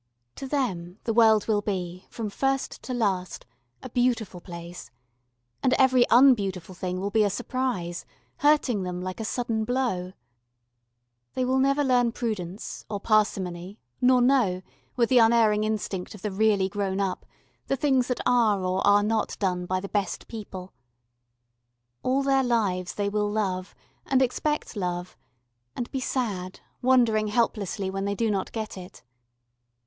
To them the world will be, from first to last, a beautiful place, and every unbeautiful thing will be a surprise, hurting them like a sudden blow. They will never learn prudence, or parsimony, nor know, with the unerring instinct of the really grown up, the things that are or are not done by the best people. All their lives they will love, and expect love and be sad, wondering helplessly when they do not get it.